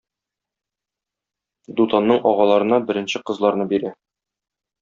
Дутанның агаларына беренче кызларны бирә.